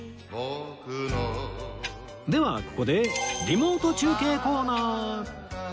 ではここでリモート中継コーナー